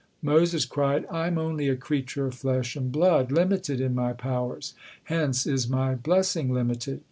Moses cried: "I am only a creature of flesh and blood, limited in my powers, hence is my blessing limited.